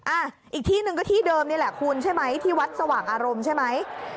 อ่ะอีกที่หนึ่งก็ที่เดิมนี่แหละคุณใช่ไหมที่วัดสว่างอารมณ์ใช่ไหม